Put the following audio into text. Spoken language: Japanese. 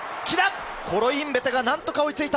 コロインベテがなんとか追いついた。